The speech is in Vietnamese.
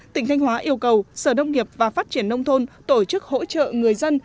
tỉnh thanh hóa yêu cầu sở nông nghiệp và phát triển nông thôn tổ chức hỗ trợ người dân